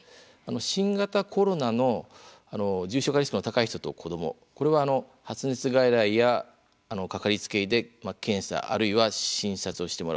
新型コロナの重症化リスクの高い人と子どもこれは発熱外来や掛かりつけ医で検査あるいは診察をしてもらうと。